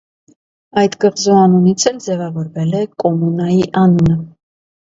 Այդ կղզու անունից էլ ձևավորվել է կոմունայի անունը։